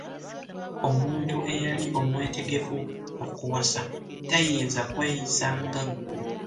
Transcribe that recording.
Omuntu eyali omwetegefu okuwasa tayinza kweyisa nga ggwe.